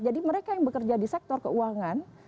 jadi mereka yang bekerja di sektor keuangan